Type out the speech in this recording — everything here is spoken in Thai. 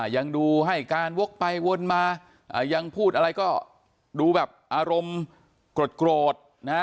ยังดูให้การวกไปวนมายังพูดอะไรก็ดูแบบอารมณ์โกรธนะฮะ